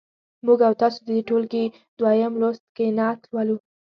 موږ او تاسو د دې ټولګي دویم لوست کې نعت لولو.